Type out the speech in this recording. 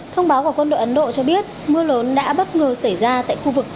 thông báo của quân đội ấn độ cho biết mưa lớn đã bất ngờ xảy ra tại khu vực